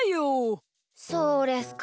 そうですか。